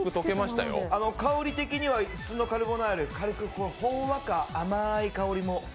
香り的には普通のカルボナーラよりほんわか甘い香りも。